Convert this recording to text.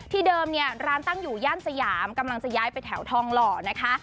เดิมเนี่ยร้านตั้งอยู่ย่านสยามกำลังจะย้ายไปแถวทองหล่อนะคะ